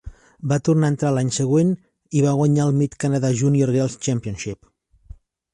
Va tornar a entrar l'any següent i va guanyar el Mid-Canada Junior Girls Championship.